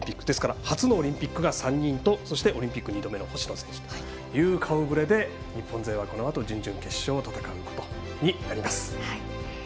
ですから初オリンピックが３人とそしてオリンピック２度目の星野選手という顔ぶれで日本勢はこのあと準々決勝を戦うことになります。